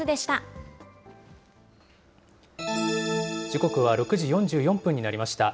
時刻は６時４４分になりました。